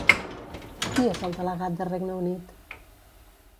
Qui és el delegat de Regne Unit?